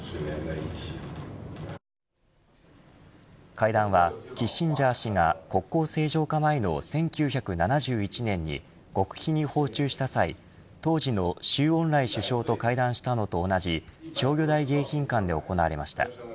会談はキッシンジャー氏が国交正常化前の１９７１年に極秘に訪中した際当時の周恩来首相と会談したのと同じ釣魚台迎賓館で行わました。